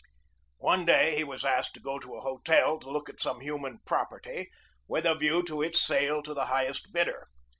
One day he was asked to go to a hotel to look at some human "property" with a view to its sale to the highest bidder.